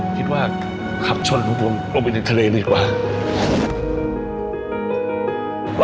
คิดว่าขับชนเหลือวันลงไปในทะเลนี่กว่าน่ะ